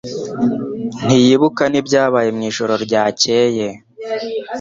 Ntiyibuka n'ibyabaye mwijoro ryakeye.